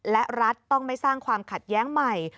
และรัฐต้องไม่สร้างความขัดแย้งใหม่